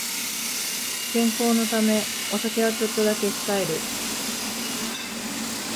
健康のためお酒はちょっとだけ控える